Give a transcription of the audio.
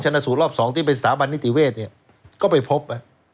ชนะสูรรอบสองที่เป็นสถาบันนิตุเวทนี่ก็ไปพบว่า